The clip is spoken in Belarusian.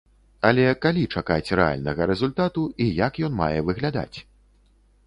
Але калі чакаць рэальнага рэзультату і як ён мае выглядаць?